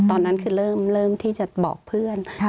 ตอนนั้นคือเริ่มที่จะบอกเพื่อน